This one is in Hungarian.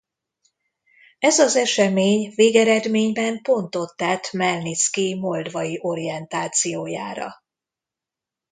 Ez az esemény végeredményben pontot tett Hmelnickij moldvai orientációjára.